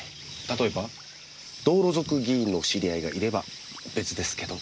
例えば道路族議員の知り合いがいれば別ですけど。